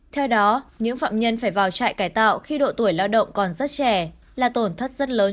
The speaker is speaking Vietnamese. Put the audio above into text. theo đó những phạm nhân phải vào trại cải tạo khi độ tuổi lao động còn rất trẻ là tổn thất rất lớn